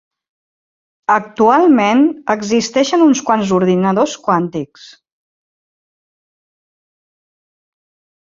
Actualment existeixen uns quants ordinadors quàntics.